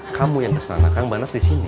kamu yang kesana kang barnaz disini